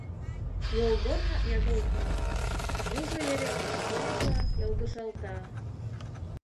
Йолгорно ягылген, южо вере воштончышла йылгыжалта.